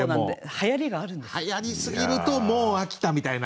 はやり過ぎるともう飽きたみたいな。